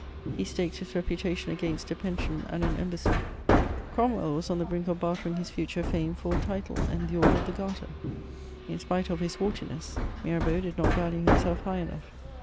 He staked his repu tation against a pension and an embassy : Cromwell was on the blink of bartering his future &me for a title and the order of the garter* In spite of his haughtiness, Mirabeau did not value himself high enough.